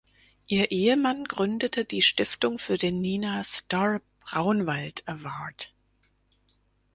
Ihr Ehemann gründete die Stiftung für den Nina Starr Braunwald Award.